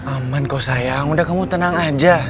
aman kok sayang udah kamu tenang aja